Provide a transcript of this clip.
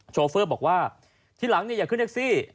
โชเฟอร์บอกว่าทีหลังอย่าขึ้นแท็กซี่